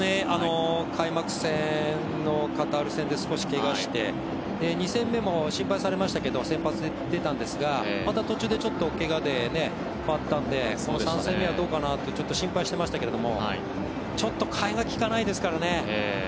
開幕戦のカタール戦で少しけがして２戦目も心配されましたけど先発で出たんですがまた途中で、けががあったのでこの３戦目はどうかなって心配していましたけどもちょっと代えが利かないですからね。